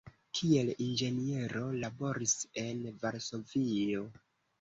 Kiel inĝeniero laboris en Varsovio.